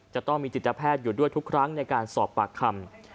จะต้องมีจิตแพทย์อยู่ด้วยทุกครั้งในการสอบปากคำ